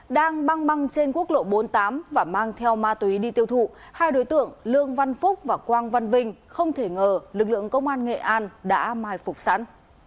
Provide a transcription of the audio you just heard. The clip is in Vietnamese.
đang băng băng trên quốc lộ bốn mươi tám và mang theo ma túy đi tiêu thụ hai đối tượng lương văn phúc và quang văn vinh không thể ngờ lực lượng công an nghệ an đã mai phục sẵn